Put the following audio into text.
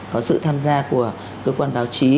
có sự tham gia của cơ quan báo chí